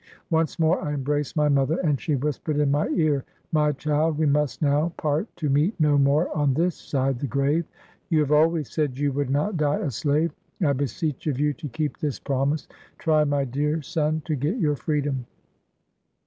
Once more I embraced my mother, and she whispered in my ear. — [My child, ice mint now "part, to meet no more on this side the grave. You have always said you would not die a slave : I be seech of you to keep this promise. Try, my dear son. to get your freedom!